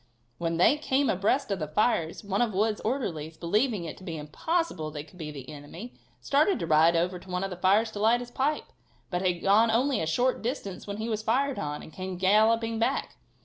When they came abreast of the fires one of Wood's orderlies, believing it to be impossible they could be the enemy, started to ride over to one of the fires to light his pipe, but had gone only a short distance when he was fired on, and came galloping back.